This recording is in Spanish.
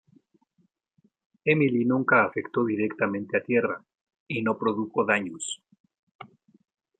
Emily nunca afectó directamente a tierra y no produjo daños.